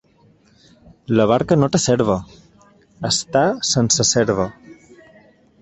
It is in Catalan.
La barca no té serva, està sense serva.